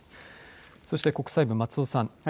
そして国際部、松尾さん。